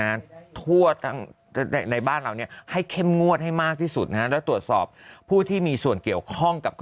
โฆษ์ตั้งในบ้านลาวนี่ให้เข้มงวดให้มากที่สุดสอบพูดที่มีส่วนเกี่ยวข้องกับ